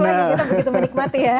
kita begitu menikmati